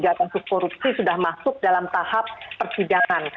jadi rp tiga puluh tiga korupsi sudah masuk dalam tahap persidangan